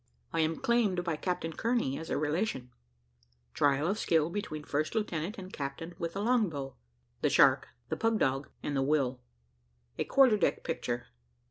I AM CLAIMED BY CAPTAIN KEARNEY AS A RELATION TRIAL OF SKILL BETWEEN FIRST LIEUTENANT AND CAPTAIN WITH THE LONG BOW THE SHARK, THE PUG DOG, AND THE WILL A QUARTER DECK PICTURE.